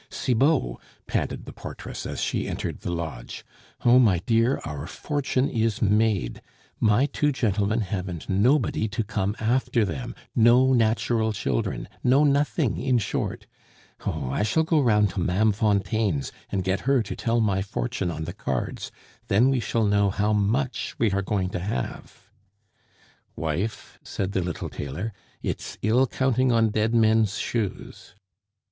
"Cibot!" panted the portress as she entered the lodge. "Oh, my dear, our fortune is made. My two gentlemen haven't nobody to come after them, no natural children, no nothing, in short! Oh, I shall go round to Ma'am Fontaine's and get her to tell my fortune on the cards, then we shall know how much we are going to have " "Wife," said the little tailor, "it's ill counting on dead men's shoes."